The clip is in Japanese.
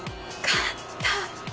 勝った！